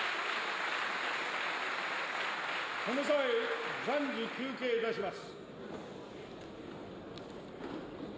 この際、暫時休憩いたします。